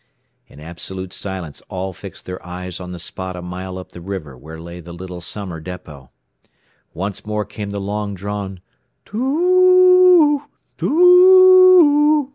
In absolute silence all fixed their eyes on the spot a mile up the river where lay the little summer depot. Once more came the long drawn "Too oo, too oo, oo, oo!"